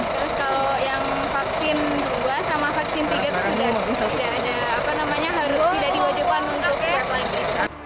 terus kalau yang vaksin berdua sama vaksin tiga itu sudah ada apa namanya harus tidak diwajibkan untuk siap lagi